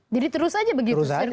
jadi terus saja begitu sirkulasinya